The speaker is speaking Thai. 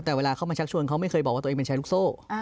แต่เวลาเขามาชักชวนเขาไม่เคยบอกว่าตัวเองเป็นชายลูกโซ่